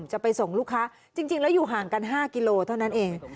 จะไปส่งลูกค้าจริงแล้วอยู่ห่างกัน๕กิโลเท่านั้นเอง